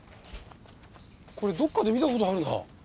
これどこかで見た事あるな。